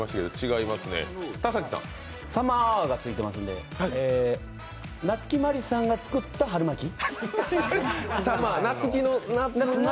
サマーがついてますんで夏木マリさんが作った春巻き？